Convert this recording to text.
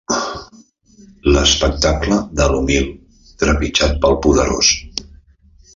L'espectacle de l'humil trepitjat pel poderós